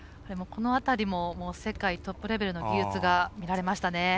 この辺りも、世界トップレベルの技術が見られましたね。